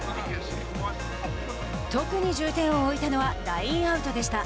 特に重点を置いたのはラインアウトでした。